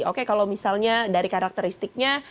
oke kalau misalnya dari karakteristiknya